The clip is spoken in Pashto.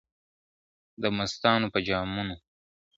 دمستانو په جامونو ..